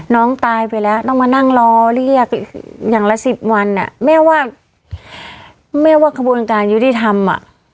น้องตายไปแล้วต้องมานั่งรอเรียกอย่างละสิบวันอ่ะแม่ว่าแม่ว่าขบวนการยุติธรรมอ่ะ